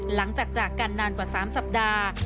หลังจากจากกันนานกว่า๓สัปดาห์